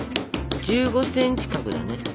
１５ｃｍ角だね。